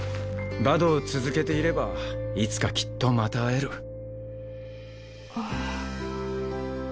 バドを続けていればいつかきっとまた会える。